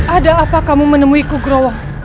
ada apa kamu menemui kugrawah